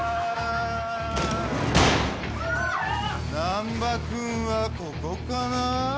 難破君はここかな？